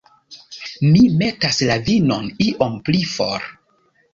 Mi metas la vinon iom pli for